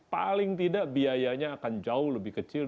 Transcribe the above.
paling tidak biayanya akan jauh lebih kecil